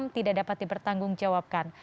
tidak dapat dipertanggungjawabkan